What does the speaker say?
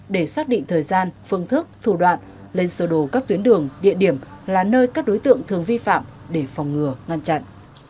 để xác định thời gian phương thức thủ đoạn lên sơ đồ các tuyến đường địa điểm là nơi các đối tượng thường vi phạm để phòng ngừa ngăn chặn